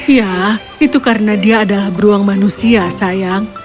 ya itu karena dia adalah beruang manusia sayang